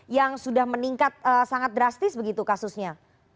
yang sudah meningkat sangat drastis begitu kasusnya